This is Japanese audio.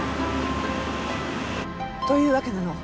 というわけなの。